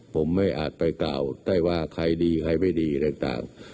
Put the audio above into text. ผมไม่อาจไปกล่าวได้ว่าใครดีใครไม่ดีอะไรต่าง